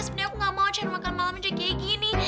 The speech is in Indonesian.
sebenarnya aku gak mau cari makan malam aja kayak gini